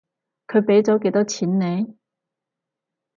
佢畀咗幾多錢你？